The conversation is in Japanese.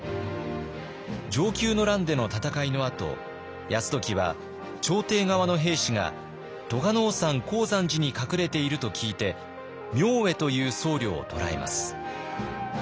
承久の乱での戦いのあと泰時は朝廷側の兵士が栂尾山高山寺に隠れていると聞いて明恵という僧侶を捕らえます。